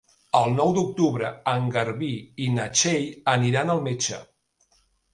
El nou d'octubre en Garbí i na Txell aniran al metge.